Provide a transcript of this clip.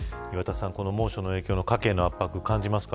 猛暑の影響家計の圧迫、感じますか。